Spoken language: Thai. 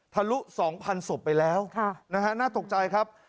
ทะลุ๒๐๐๐ศพไปแล้วน่าตกใจครับ